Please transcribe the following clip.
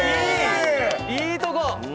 いいとこ。